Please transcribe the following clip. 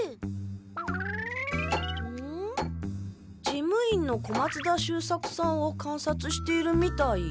事務員の小松田秀作さんをかんさつしているみたい。